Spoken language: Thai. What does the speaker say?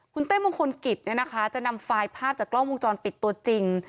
คุณเต้มงคลกิจจะนำไฟล์ภาพจากกล้องวงจรปิดตัวจริง